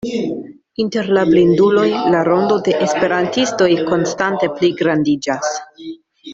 Inter la blinduloj, la rondo de esperantistoj konstante pligrandiĝas.